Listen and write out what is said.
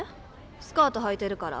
スカートはいてるから？